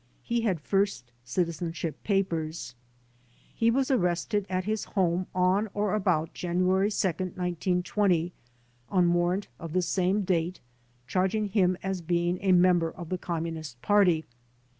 He had first citizenship papers. He was arrested at his home on or about January 2, 1920, on warrant of the same date, charging him as being a member of the Communist Party.